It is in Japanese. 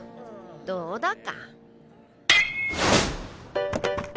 どうだか。